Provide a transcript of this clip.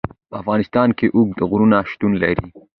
په افغانستان کې اوږده غرونه شتون لري.